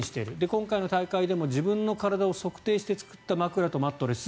今回の大会でも自分の体を測定して作った枕とマットレス